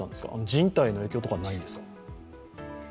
人体への影響とかはないんですか？